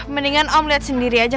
mendingan om lihat sendiri aja